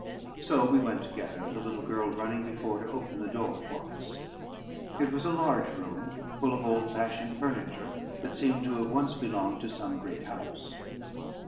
So we went together, the little girl running before to open the door for us. It was a large room, full of old fashioned furniture, that seemed to have once belonged to some great house.